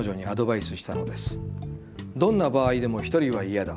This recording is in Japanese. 『どんな場合でも一人はイヤだ。